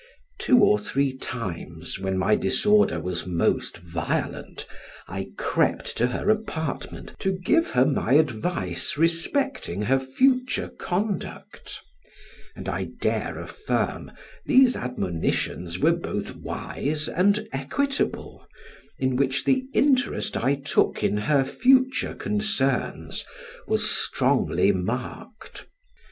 Two or three times, when my disorder was most violent, I crept to her apartment to give her my advice respecting her future conduct; and I dare affirm these admonitions were both wise and equitable, in which the interest I took in her future concerns was strongly marked.